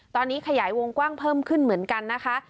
ตอนนี้ขยายวงกว้างเพิ่มขึ้นเหมือนกันนะคะ